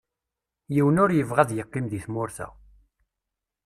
Yiwen ur yebɣi ad yeqqim di tmurt-a.